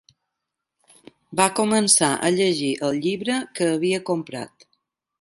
Va començar a llegir el llibre que havia comprat.